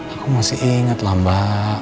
aku masih ingat lamba